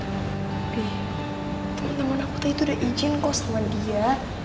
tapi temen temen aku tadi sudah izin kok sama dia